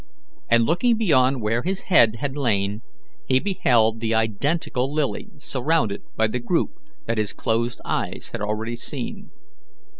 and looking beyond where his head had lain, he beheld the identical lily surrounded by the group that his closed eyes had already seen.